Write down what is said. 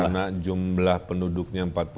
karena jumlah penduduknya empat puluh enam